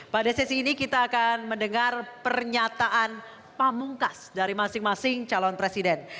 pada sesi ini kita akan mendengar pernyataan pamungkas dari masing masing calon presiden